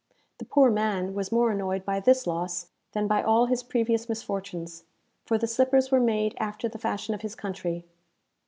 The poor man was more annoyed by this loss, than by all his previous misfortunes; for the slippers were made after the fashion of his country.